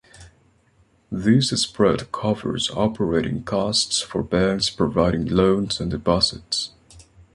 This spread covers operating costs for banks providing loans and deposits.